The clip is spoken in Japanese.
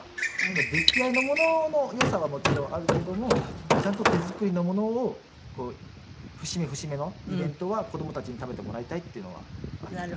出来合いのものの良さはもちろんあるけどもちゃんと手作りのものを節目節目のイベントは子供たちに食べてもらいたいっていうのはあるみたいで。